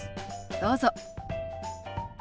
どうぞ。